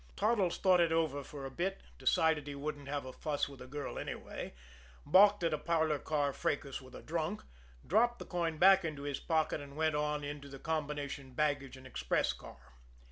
Toddles thought it over for a bit; decided he wouldn't have a fuss with a girl anyway, balked at a parlor car fracas with a drunk, dropped the coin back into his pocket, and went on into the combination baggage and express car.